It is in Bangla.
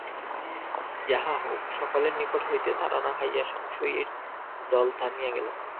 যাহা হউক, সকলের নিকট হইতে তাড়না খাইয়া সংশয়ীর দল থামিয়া গেল।